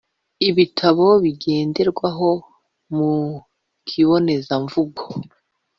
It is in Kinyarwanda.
ibitabo ngenderwaho mu kibonezamvugo